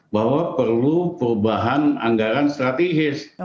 bahwa perlu perubahan anggaran strategis